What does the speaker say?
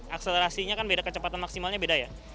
akselerasinya kan beda kecepatan maksimalnya beda ya